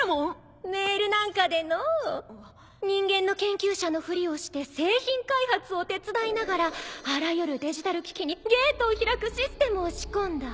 メールなんかでのう人間の研究者のふりをして製品開発を手伝いながらあらゆるデジタル機器にゲートを開くシステムを仕込んだ。